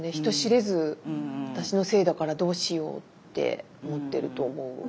人知れず私のせいだからどうしようって思ってると思う。